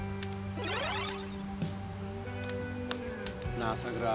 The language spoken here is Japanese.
なあさくら。